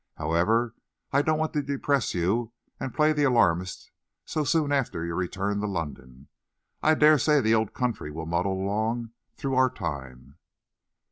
However, I don't want to depress you and play the alarmist so soon after your return to London. I dare say the old country'll muddle along through our time."